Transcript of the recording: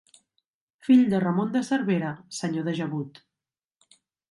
Fill de Ramon de Cervera, senyor de Gebut.